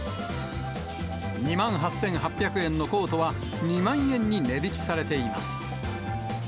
２万８８００円のコートは２万円に値引きされています。